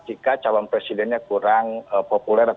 jika calon presidennya kurang populer